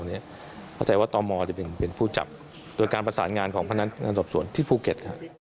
เข้าใจว่าตมจะเป็นผู้จับโดยการประสานงานของพนักงานสอบสวนที่ภูเก็ต